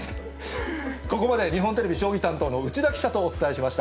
ここまで日本テレビ将棋担当の内田記者とお伝えしました。